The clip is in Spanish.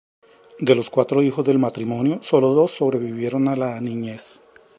De los cuatro hijos del matrimonio sólo dos sobrevivieron a la niñez.